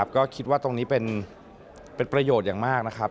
ก็คิดว่าตรงนี้เป็นประโยชน์อย่างมากนะครับ